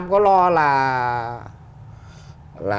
không lo là